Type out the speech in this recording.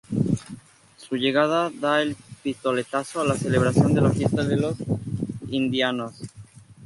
Su llegada da el pistoletazo a la celebración de la fiesta de Los Indianos.